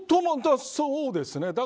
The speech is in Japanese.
そうですね。